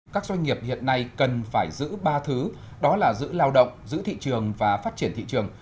các doanh nghiệp hiện nay cần phải giữ ba thứ đó là giữ lao động giữ thị trường và phát triển thị trường